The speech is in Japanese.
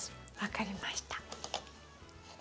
分かりました。